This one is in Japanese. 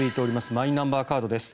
マイナンバーカードです。